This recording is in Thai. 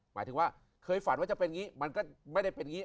หมายถึงว่าเคยฝันว่าจะเป็นงี้มันก็ไม่ได้เป็นงี้